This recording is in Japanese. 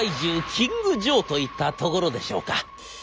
キングジョーといったところでしょうか。